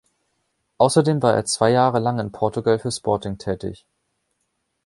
Außerdem war er zwei Jahre lang in Portugal für Sporting tätig.